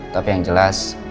tapi yang jelas